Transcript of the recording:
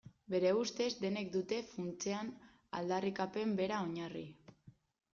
Bere ustez denek dute funtsean aldarrikapen bera oinarri.